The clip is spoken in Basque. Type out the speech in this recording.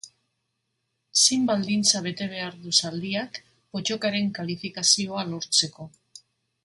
Zein baldintza bete behar du zaldiak pottokaren kalifikazioa lortzeko?